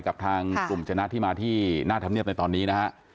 กับทางกลุ่มชนะที่มาที่หน้าธรรมเนียบในตอนนี้นะฮะ